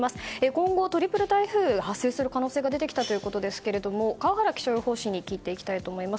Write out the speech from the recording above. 今後、トリプル台風が発生する可能性が出てきたということですけれども川原気象予報士に聞いていきたいと思います。